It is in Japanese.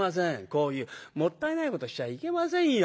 こういうもったいないことしちゃいけませんよ。